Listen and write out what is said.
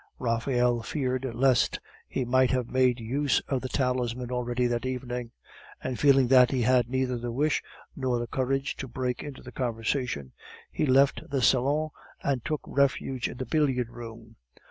Raphael feared lest he might have made use of the talisman already that evening; and feeling that he had neither the wish nor the courage to break into the conversation, he left the salon and took refuge in the billiard room.